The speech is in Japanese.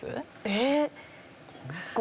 えっ？